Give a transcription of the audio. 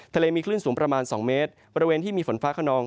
ทะเลมีคลื่นสูงประมาณ๒เมตรบริเวณที่มีฝนฟ้าขนอง